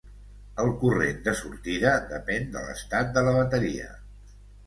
El corrent de sortida depèn de l'estat de la bateria.